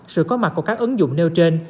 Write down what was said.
sự có mặt của các ứng dụng nêu trên